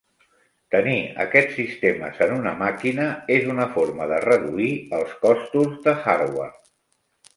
Tenir aquests sistemes en una màquina és una forma de reduir els costos de hardware.